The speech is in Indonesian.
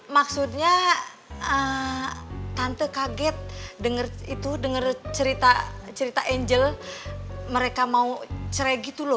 maksudnya tante kaget itu dengar cerita angel mereka mau cerai gitu loh